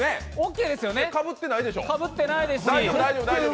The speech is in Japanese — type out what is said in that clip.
かぶってないでしょ？